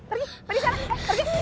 pergi sekarang pergi